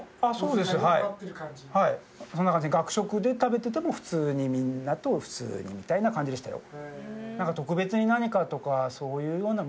そんな感じで学食で食べてても普通にみんなと普通にみたいな感じでしたよ。